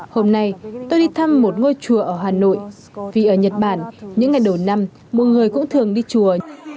hôm nay tôi đi thăm một ngôi chùa ở hà nội vì ở nhật bản những ngày đầu năm một người cũng thường đi chùa